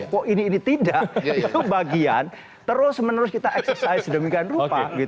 kok ini ini tidak itu bagian terus menerus kita eksersis demikian rupa